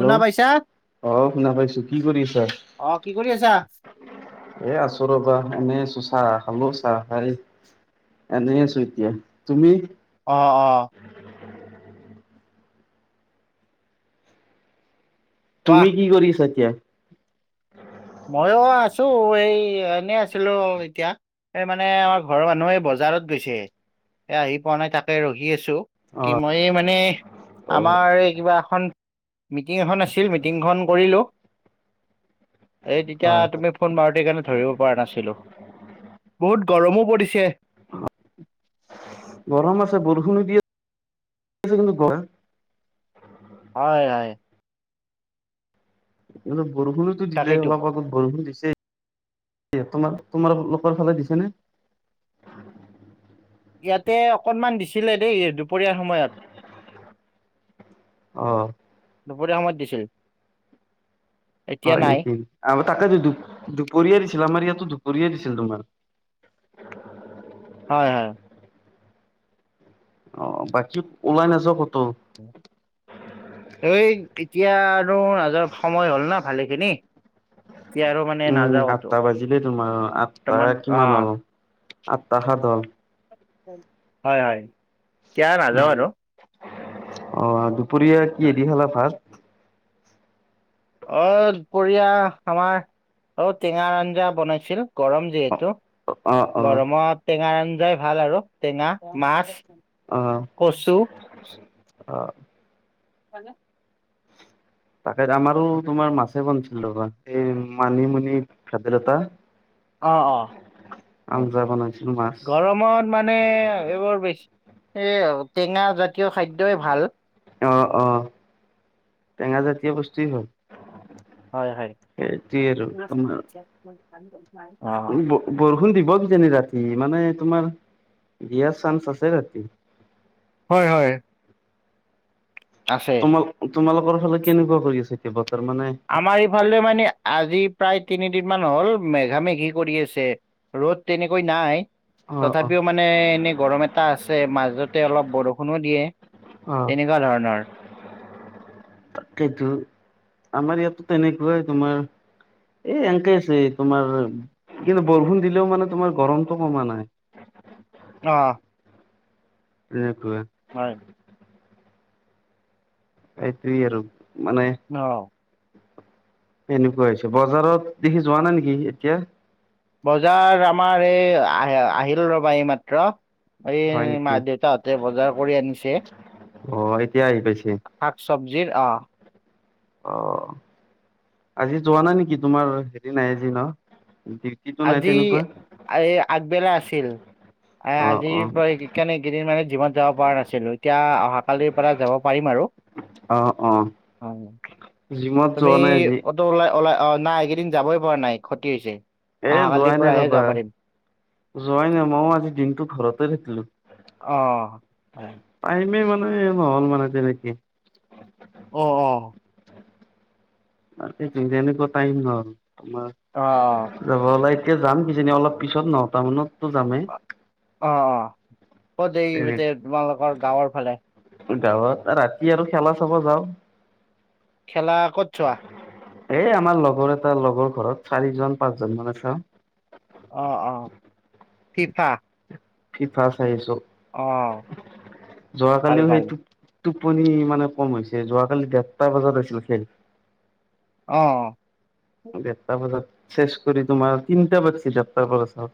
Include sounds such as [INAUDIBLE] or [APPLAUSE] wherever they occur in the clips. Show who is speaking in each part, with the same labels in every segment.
Speaker 1: শুনা পাইছা?
Speaker 2: আ শুনা পাইছো কি কৰি আছা?
Speaker 1: অ', কি কৰি আছা?
Speaker 2: এ আছো ৰবা এনেই আছো চাহ খালো চাহ খাই এনে আছো এতিয়া তুমি?
Speaker 1: অ-অ কোৱা
Speaker 2: তুমি কি কৰিছা এতিয়া?
Speaker 1: মইো আছো এই এনেই আছিলো এতিয়া৷ এই মানে আমাৰ ঘৰৰ মানুহে বজাৰত গৈছে এ আহি পোৱা নাই তাকে ৰখি আছো৷ কি মই মানে
Speaker 2: অ
Speaker 1: আমাৰ এই কিবা এখন মিটিং এখন আছিল মিটিংখন কৰিলো৷ এই তেতিয়া
Speaker 2: হয় হয়
Speaker 1: তুমি ফোন মাৰোঁতেই কাৰণে ধৰিব পৰা নাছিলোঁ, বহুত গৰমো পৰিছে।
Speaker 2: গৰম আছে, বৰষুণো দি আছে। কিন্তু গৰম
Speaker 1: হয়-হয়।
Speaker 2: এই অলপ বৰষুণোতো দিলে,
Speaker 1: তাকেইতো
Speaker 2: অলপ আগত বৰষুণ দিছে। এ তোমাৰ-তোমাৰ লোকৰ ফালে দিছে নে?
Speaker 1: ইয়াতে অকনমান দিছিলে দেই, দুপৰীয়াৰ সময়ত।
Speaker 2: অ
Speaker 1: দুপৰীয়া সময়ত দিছিল। এতিয়া
Speaker 2: হয়
Speaker 1: নাই
Speaker 2: নেকি, আৰু তাতে দু দুপৰীয়াই দিছিল। আমাৰ ইয়াতো দুপৰীয়াই দিছিল তোমাৰ।
Speaker 1: হয়-হয়।
Speaker 2: অ, বাকী ওলাই নাযাওঁ কতো?
Speaker 1: এই এতিয়া আৰু নাযাওঁ, সময় হ'ল না ভালে খিনি।
Speaker 2: উম' আঠটা বাজিলেই তোমাৰ, আঠটা
Speaker 1: বৰ্তমান অ
Speaker 2: কিমান হ'ল? আঠটা সাত হ'ল।
Speaker 1: হয়-হয়।
Speaker 2: উম' অ, দুপৰীয়া কিহে
Speaker 1: হয়
Speaker 2: দি খালা ভাত?
Speaker 1: অ, দুপৰীয়া আমাৰ অ, টেঙাৰ আঞ্জা বনাইছিল, গৰম
Speaker 2: অ',
Speaker 1: যিহেতু।
Speaker 2: অ',
Speaker 1: গৰমত টেঙা আঞ্জাই ভাল আৰু টেঙা মাছ।
Speaker 2: অ,
Speaker 1: কচু
Speaker 2: অ।
Speaker 1: হয়নে?
Speaker 2: তাকে আমাৰো তোমাৰ মাছে বনাইছিলোঁ ৰবা, এই মানিমুনি, ভেদাইলতা।
Speaker 1: অ-অ, ও
Speaker 2: আঞ্জা বনাইছিলো মাছ।
Speaker 1: গৰমত মানে এইবোৰ বেছি এ টেঙা জাতীয় খাদ্যয়ে ভাল।
Speaker 2: অ-অ, টেঙা জাতীয় বস্তুৱেই হ'ল।
Speaker 1: হয়
Speaker 2: সেইটোৱে আৰু তোমাৰ।
Speaker 1: মোৰ গ নাই [UNINTELLIGIBLE]
Speaker 2: ব বৰষুণ দিব কিজানি ৰাতি, মানে তোমাৰ দিয়াৰ চান্স আছে ৰাতি।
Speaker 1: হয়-হয়।
Speaker 2: তোমাৰ তোমালোকৰ ফালে কেনেকুৱা কৰি আছে কি বতৰ মানে?
Speaker 1: আমাৰ ইফালে মানে আজি প্ৰায় তিনিদিন মান হ'ল মেঘা-মেঘি কৰি আছে। ৰ'দ তেনেকৈ নাই।
Speaker 2: অ', অ',
Speaker 1: তথাপিওঁ মানে এনেই গৰম এটা আছে। মাজতে অলপ বৰষুণো দিয়ে।
Speaker 2: অ'।
Speaker 1: তেনেকুৱা ধৰণৰ।
Speaker 2: সেইটো। আমাৰ ইয়াতো তেনেকুৱাই তোমাৰ এই এনেকেই আছে তোমাৰ কিন্তু বৰষুণ দিলেওঁ মানে তোমাৰ গৰমতো কমা নাই।
Speaker 1: অ!
Speaker 2: [UNINTELLIGIBLE] সেইটোৱে।
Speaker 1: হয়।
Speaker 2: সেইটোৱে আৰু মানে
Speaker 1: অ'হ
Speaker 2: এনেকুৱা আহিছে, বজাৰত সি যোৱা নাই নেকি সি এতিয়া।
Speaker 1: বজাৰ আমাৰ এই আ আহিলোঁ ৰবা এইমাত্ৰ। এই
Speaker 2: হয় নেকি
Speaker 1: মা দেউতাহঁতে বজাৰ কৰি আনিছে।
Speaker 2: অ এতিয়া আহি পাইছে
Speaker 1: শাক-চব্জীৰ অ।
Speaker 2: অ, আজি যোৱা নাই নেকি তোমাৰ সেইদিনা এদিনৰ দি।
Speaker 1: আজি এই আগবেলা আছিল। এ
Speaker 2: অ
Speaker 1: আজিৰ
Speaker 2: অ
Speaker 1: পৰা সেইকাৰণে কেইদিনমানে জিমত যাব পৰা নাছিলো। এতিয়া অহা কালিৰ পৰা যাব পাৰিম আৰু
Speaker 2: অ অ
Speaker 1: হয়।
Speaker 2: জিমত
Speaker 1: তুমি
Speaker 2: যোৱা নাই আজি
Speaker 1: অটো ওলাই-ওলাই অ, নাই এইকেইদিন যাবই পৰা নাই খতি হৈছে।
Speaker 2: এ
Speaker 1: অহাকালিৰ
Speaker 2: যোৱাই নাই
Speaker 1: পৰাহে
Speaker 2: ৰবা
Speaker 1: যাব পাৰিম
Speaker 2: যোৱাই নাই মইও আজি দিনটো ঘৰতে থাকিলো।
Speaker 1: অ হয়।
Speaker 2: টাইমে মানে নহ'ল মানে তেনেকে।
Speaker 1: অ অ
Speaker 2: ৰাতি যিন যেনেকুৱা টাইম হ'ল তোমাক।
Speaker 1: অ অ।
Speaker 2: যাব ওলাইকে যাম কিজানি অলপ পিছত নটা মানতো যামেই।
Speaker 1: অ অ ক'ত দেৰি
Speaker 2: ট্ৰেইনত।
Speaker 1: বিতে তোমালোকৰ গাঁওৰ ফালে।
Speaker 2: গাঁৱত ৰাতি আৰু খেলা চাব যাওঁ।
Speaker 1: খেলা ক'ত চোৱা
Speaker 2: এ আমাৰ লগৰ এটা লগৰ ঘৰত চাৰিজন পাঁচজন মানে চাওঁ
Speaker 1: অ অ ফিফা।
Speaker 2: ফিফা চাই আহিছো
Speaker 1: অ ভাল
Speaker 2: যোৱাকালিও
Speaker 1: ভাল
Speaker 2: সেইটো। টোপনি মানে কম হৈছে যোৱাকালি দেৰটা বজাত হৈছিল খেল।
Speaker 1: অ
Speaker 2: ডেৰটা বজাত চেছ কৰি তোমাৰ তিনিটা বজাত চিধাপ্পাৰ পৰা চাওঁ।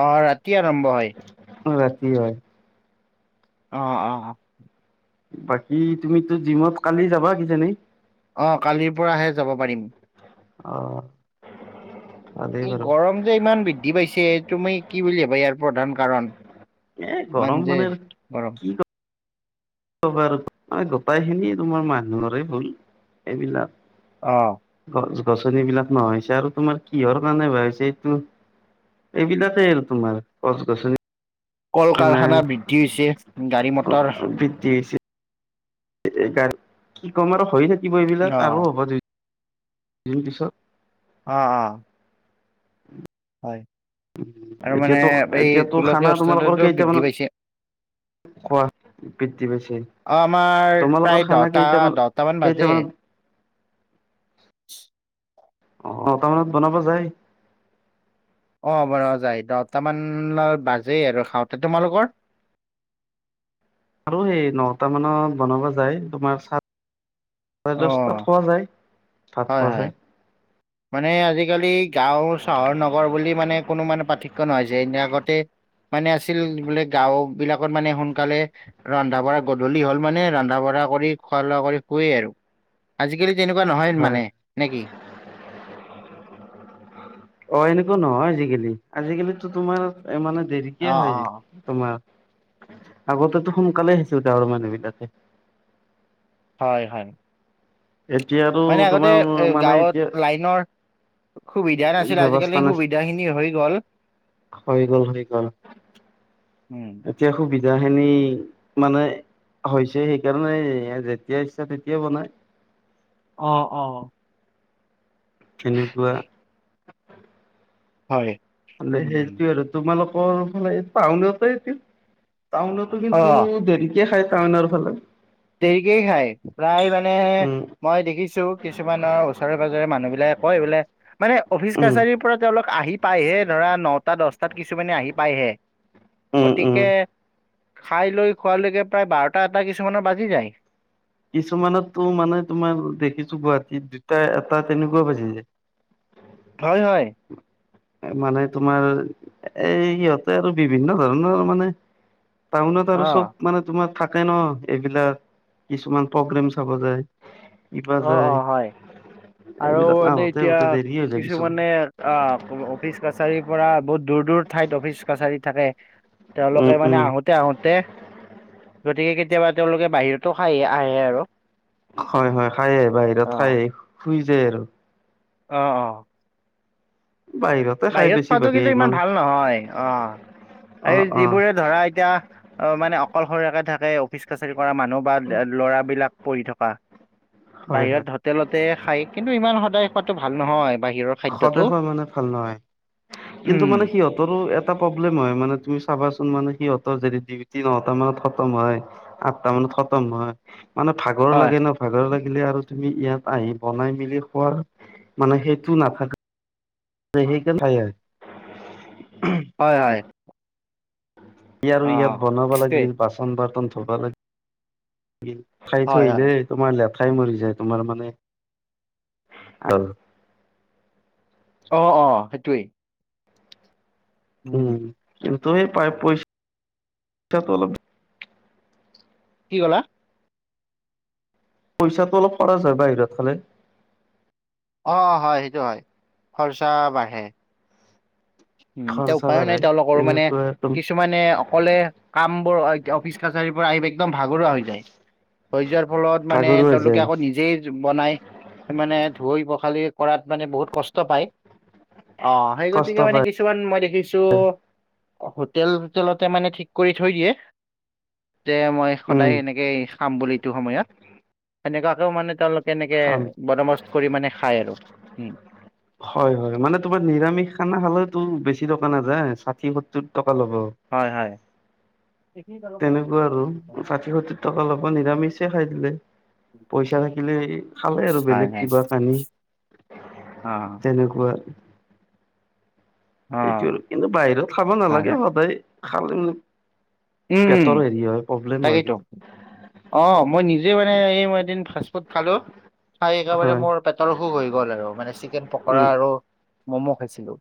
Speaker 1: অ ৰাতি আৰম্ভ হয়।
Speaker 2: অ ৰাতি হয়।
Speaker 1: অ অ অ
Speaker 2: বাকী তুমিতো জিমত কালি যাবা কিজানি
Speaker 1: অ কালিৰ পৰাহে যাব পাৰিম
Speaker 2: অ ভালেই
Speaker 1: এই
Speaker 2: বাৰু
Speaker 1: গৰম যে ইমান বৃদ্ধি পাইছে তুমি কি বুলি ভবা ইয়াৰ প্ৰধান কাৰণ।
Speaker 2: এ গৰম
Speaker 1: ইমান জে
Speaker 2: মানে
Speaker 1: গৰম
Speaker 2: কি কবা আৰু গোটেই খিনি তোমাৰ মানুহৰে ভুল এইবিলাক।
Speaker 1: অ
Speaker 2: গছ গছনি বিলাক নহয় হৈছে আৰু তোমাৰ কিহৰ কাৰণে বাঢ়িছে এইটো। এইবিলাকে আৰু তোমাৰ গছ গছনি।
Speaker 1: কল
Speaker 2: নাই
Speaker 1: কাৰখানা বৃদ্ধি হৈছে গাড়ী মটৰ
Speaker 2: তিএছে। গাড়ী কি ক'ম আৰু হৈ থাকিব
Speaker 1: অ
Speaker 2: এইবিলাক আৰু হ'ব দু দুদিন পিছত
Speaker 1: অ অ হয় আৰু মানে
Speaker 2: এতিয়াতো
Speaker 1: এই
Speaker 2: এতিয়াতো খানা
Speaker 1: গোলকীয়
Speaker 2: তোমালোকৰ
Speaker 1: উষ্ণতাটো বৃদ্ধি
Speaker 2: কেইটামানত
Speaker 1: পাইছে
Speaker 2: খোৱা বৃদ্ধি পাইছে
Speaker 1: অ আমাৰ প্ৰায়
Speaker 2: তোমালোকৰ খানা
Speaker 1: দহটা
Speaker 2: কেইটামান
Speaker 1: দহটা মান বাজে
Speaker 2: কেইটামানত
Speaker 1: [UNINTELLIGIBLE]
Speaker 2: অ নটা মানত বনাব যায়
Speaker 1: অ বনাৰ যাই দহটামান বাজেই আৰু খাওঁতে তোমালোকৰ
Speaker 2: আৰু সেই নটা মানত বনাব যায় তোমাৰ চ চাৰে
Speaker 1: অ
Speaker 2: দছ তাত খোৱা যায় ভাত
Speaker 1: হয়
Speaker 2: খোৱা
Speaker 1: হয়
Speaker 2: যায়
Speaker 1: মানে আজিকালি গাঁও চহৰ নগৰ বুলি মানে কোনো মানে পাৰ্থক্য নহয় যে এদিৰ আগতে মানে আছিল বোলে গাঁও বিলাকত মানে সোনকালে ৰন্ধা বঢ়া গধূলি হল মানে ৰন্ধা বঢ়া কৰি খোৱা লোৱা কৰি শুৱেই আৰু আজিকালি তেনেকুৱা নহয়
Speaker 2: হয়।
Speaker 1: মানে নে কি
Speaker 2: অ এনেকুৱা নহয় আজিকালি আজিকালিতো তোমাৰ মানে
Speaker 1: অ
Speaker 2: দেৰিকে হয়
Speaker 1: অ
Speaker 2: তোমাৰ আগতেতো সোনকালে শুইছিল [UNINTELLIGIBLE] গাওঁৰ মানুহবিলাকে
Speaker 1: হয় হয়
Speaker 2: এতিয়া আৰু
Speaker 1: মানে আগতে
Speaker 2: তোমাৰ
Speaker 1: এ
Speaker 2: মানে
Speaker 1: গাঁৱত
Speaker 2: এতিয়া
Speaker 1: লাইনৰ সুবিধা নাছিল আজিকালি
Speaker 2: ব্যৱস্থা নাই
Speaker 1: সুবিধা খিনি হৈ গ'ল
Speaker 2: হৈ গ'ল হৈ গ'ল৷
Speaker 1: উম
Speaker 2: এতিয়া সুবিধাখিনি মানে হৈছে সেইকাৰণে যেতিয়া ইচ্ছা তেতিয়া বনাই৷
Speaker 1: অ-অ
Speaker 2: তেনেকুৱা
Speaker 1: হয়৷
Speaker 2: মানে
Speaker 1: উম উম
Speaker 2: সেইটোৱে আৰু তোমালোকৰ মানে টাউনতে টো টাউনত
Speaker 1: অ
Speaker 2: কিন্তু দেৰিকে খাই টাউনৰ ফালে৷
Speaker 1: দেৰিকেই খায় প্ৰায় মানে
Speaker 2: উম
Speaker 1: মই দেখিছোঁ কিছুমানৰ ওচৰে পাজৰে মানুহবিলাকে কয় বোলে মানে অফিচ
Speaker 2: উম
Speaker 1: কাছাৰীৰ পৰা তেওঁলোক আহি পাইহে ধৰা নটা দছটাত কিছুমানে আহি পায়হে
Speaker 2: উম উম
Speaker 1: গতিকে খাই লৈ খোৱালৈকে প্ৰায় বাৰটা এটা কিছুমানৰ বাজি যায়৷
Speaker 2: কিছুমানতো মানে তোমাৰ দেখিছো গুৱাহাটীত দুটা এটা তেনেকুৱা বাজি যায়৷ উ [INAUDIBLE]
Speaker 1: হয়-হয়
Speaker 2: উ [INAUDIBLE] মানে তোমাৰ এই ইহঁতে আৰু বিভিন্ন ধৰণৰ মানে। টাউনত
Speaker 1: অ
Speaker 2: আৰু চব মানে তোমাৰ থাকে ন এইবিলাক কিছুমান প্ৰগ্ৰেম চাব যায়। কিবা
Speaker 1: অ-অ
Speaker 2: যায়
Speaker 1: হয় আৰু
Speaker 2: এইবিলাক
Speaker 1: মানে
Speaker 2: আহোতে
Speaker 1: এতিয়া
Speaker 2: আহোতে দেৰি হৈ যায় কিছুমান
Speaker 1: কিছুমানে অ অফিচ কাছাৰীৰ পৰা বহুত দূৰ-দূৰ ঠাইত অফিচ কাছাৰী থাকে। তেওঁলোকে
Speaker 2: উম
Speaker 1: মানে
Speaker 2: উম
Speaker 1: আহোতে-আহোতে গতিকে কেতিয়াবা তেওঁলোকে বাহিৰত
Speaker 2: হয- হয় খায়ে বাহিৰত
Speaker 1: অ
Speaker 2: খায় শুই যায় আৰু৷
Speaker 1: অ-অ
Speaker 2: বাহিৰত
Speaker 1: বাহিৰত খোৱাটো কিন্তু ইমান ভাল নহয় আহ
Speaker 2: অ
Speaker 1: এই
Speaker 2: অ
Speaker 1: যিবোৰে ধৰা এতিয়া অ মানে অকলশৰীয়কে থাকে অফিচ কাছাৰী কৰা মানুহ বা ল'ৰাবিলাক পঢ়ি থকা
Speaker 2: হয়
Speaker 1: বাহিৰত
Speaker 2: হয়
Speaker 1: হোটেলতে খাই কিন্তু ইমান সদায় খোৱাতটো ভাল নহয় বাহিৰত৷
Speaker 2: সদায় খোৱা মানে ভাল নহয় কিন্তু মানে
Speaker 1: উম
Speaker 2: সিহঁতৰো এ প্ৰব্লেম হয় মানে তুমি চাবাচোন মানে সিহঁতৰ যদি ডিউটি ন টা মানত খতম হয় আঠটা মানে খতম হয় মানে ভাগৰ
Speaker 1: হয়
Speaker 2: লাগে ন। ভাগৰ লাগিলে আৰু তুমি ইয়াত আহি বনাই মেলি খোৱাৰ মানে সেইটো নাথাকে ত সেইকানে খায় আহে
Speaker 1: হয়-হয়।
Speaker 2: ই আৰু ইয়াত বনাব
Speaker 1: সেইটোৱে
Speaker 2: লাগিল বাচন বৰ্তন ধুব লাগিল ফাই থৈ
Speaker 1: হয় হয়
Speaker 2: আহিলে তোমাৰ লেঠাই মৰি যায় তোমাৰ মানে
Speaker 1: অ-অ সেইটোৱেই।
Speaker 2: উম কিন্তু সেই পায় পইচা পইচা [UNINTELLIGIBLE] অল
Speaker 1: কি কলা?
Speaker 2: পইচাটো অলপ খৰচ হয় বাহিৰত খালে।
Speaker 1: অ হয় সেইটো হয় খৰচা বাঢ়ে। উম এতি
Speaker 2: খৰচা
Speaker 1: উপায়ো
Speaker 2: বাঢ়ে
Speaker 1: নাই তেওঁলোকৰো মানে
Speaker 2: তেনেকুৱা একদম
Speaker 1: কিছুমানে অকলে কাম বোৰ অফিচ কাছাৰী পৰা আহি একদম ভাগৰুৱা হৈ যায়। হৈ যোৱাৰ ফলত মানে
Speaker 2: ভাগৰুৱা হৈ
Speaker 1: তেওঁলোকে
Speaker 2: যায়
Speaker 1: আকৌ নিজেই বনাই মানে ধুই পখালি কৰাত মানে বহুত কষ্ট পায়। অ সেই
Speaker 2: কষ্ট
Speaker 1: গতিকে মানে কি
Speaker 2: পায়
Speaker 1: কিছুমান মই দেখিছো হোটেল-হোটেলতে মানে ঠিক কৰি থৈ দিয়ে। তে মই
Speaker 2: উম
Speaker 1: সদায় এনেকে খাম বুলি এইটো সময়ত সেনেকুৱাকেও মানে তেওঁলোকে এনেকে
Speaker 2: কাম
Speaker 1: বদমস কৰি মানে খাই আৰু উম।
Speaker 2: হয় হয় মানে তোমাৰ নিৰামিষ খানা খালেওতো বেছি টকা নাযায় ষাঠি সত্তৰ টকা ল'ব।
Speaker 1: হয় হয় হয়
Speaker 2: তেনেকোৱা আৰু ষাঠি সত্তৰ টকা অলপমান নিৰামিষে খাই দিলে পইচা থাকিলেই খালে আৰু বেলেগ
Speaker 1: হয়
Speaker 2: কিবা কানি
Speaker 1: অ
Speaker 2: তেনেকোৱা
Speaker 1: অ
Speaker 2: সেইটো আৰু কিন্তু বাহিৰত খাব
Speaker 1: হয়
Speaker 2: নালাগে
Speaker 1: হয়
Speaker 2: সদায় খাবলে ম
Speaker 1: উম
Speaker 2: পেটৰ হেৰি হয় প্ৰব্লেম হয়
Speaker 1: তাকেইতো
Speaker 2: কিন্তু।
Speaker 1: অ মই নিজে মানে এই এদিন ফাষ্ট ফুড খালো। খাই একেবাৰে
Speaker 2: হয়
Speaker 1: মোৰ পেটৰ অসুখ হৈ গ'ল আৰু মানে চিকেন পকৰা
Speaker 2: উম
Speaker 1: আৰু ম'ম' খাইছিলো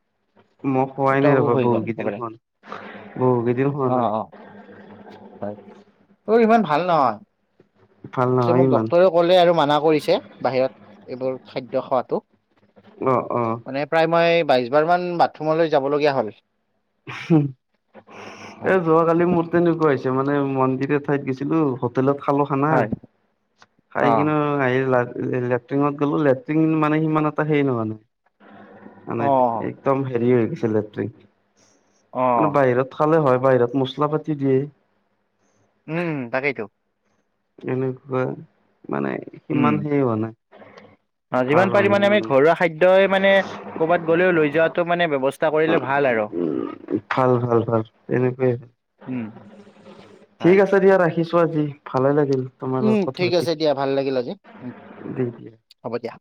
Speaker 2: মই শুৱাই
Speaker 1: পেটৰ
Speaker 2: নাই
Speaker 1: অসুখ
Speaker 2: ৰবা
Speaker 1: হৈ গ'ল
Speaker 2: বহুকেইদিন
Speaker 1: একেবাৰে
Speaker 2: শুৱা নাই বহুকেইদিন
Speaker 1: অ
Speaker 2: শুৱা নাই।
Speaker 1: অ হয় অ ইমান ভাল নহয়
Speaker 2: ভাল
Speaker 1: পিছে
Speaker 2: নহয়
Speaker 1: মোক
Speaker 2: ইমান
Speaker 1: ডক্তৰেও খাবলে আৰু মানা কৰিছে বাহিৰত এইবোৰ খাদ্য খোৱাটো।
Speaker 2: অ অ
Speaker 1: মানে প্ৰায় মই বাইছবাৰমান বাথৰুমলৈ যাবলগীয়া হ'ল।
Speaker 2: এ
Speaker 1: হয়
Speaker 2: যোৱাকালি মোৰ তেনেকোৱা হৈছে মানে মন্দিৰ এ ঠাইত গৈছিলো হো তেলত খালো খানা
Speaker 1: হয়
Speaker 2: খাই
Speaker 1: অ
Speaker 2: কিনে আহি লেট্ৰিনত গলো লেট্ৰিন মানে সিমান এটা হেই নহলে।
Speaker 1: অ
Speaker 2: মানে একদম হেৰি হৈ গৈছে লেট্ৰিন
Speaker 1: অ
Speaker 2: মানে বাহিৰত খালে হয় বাহিৰত মছলা পাতি দিয়ে।
Speaker 1: উম তাকেই তো।
Speaker 2: এনেকোৱা মানে
Speaker 1: উম
Speaker 2: সিমান হেৰি হোৱা নাই
Speaker 1: অ
Speaker 2: ভাল
Speaker 1: যিমান
Speaker 2: হোৱা
Speaker 1: পাৰি
Speaker 2: নাই
Speaker 1: মানে আমি ঘৰুৱা খাদ্যই মানে ক'ৰবাত গ'লেও লৈ যোৱাটো মানে ব্যৱস্থা কৰিলে ভাল আৰু
Speaker 2: উ ভাল ভাল ভাল এনেকৈয়ে ভাল।
Speaker 1: উম
Speaker 2: ঠিক
Speaker 1: হয়
Speaker 2: আছে দিয়া ৰাখিছো আজি ভালে লাগিল। তোমাৰ
Speaker 1: উম
Speaker 2: লগত কথা
Speaker 1: ঠিক
Speaker 2: পাতি
Speaker 1: আছে দিয়া ভাল লাগিল আজি উ
Speaker 2: দি দিয়া
Speaker 1: হ'ব দিয়া।